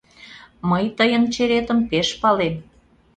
Мый тыйын «черетым» пеш палем.